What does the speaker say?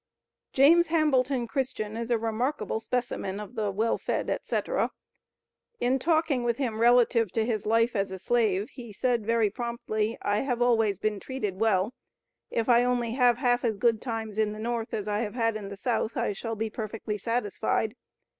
James Hambleton Christian is a remarkable specimen of the "well fed, &c." In talking with him relative to his life as a slave, he said very promptly, "I have always been treated well; if I only have half as good times in the North as I have had in the South, I shall be perfectly satisfied.